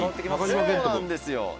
「そうなんですよ」